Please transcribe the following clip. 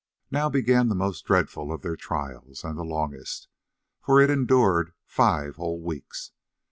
Now began the most dreadful of their trials, and the longest, for it endured five whole weeks.